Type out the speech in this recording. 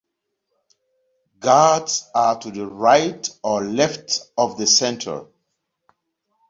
Guards are to the right or left of the center.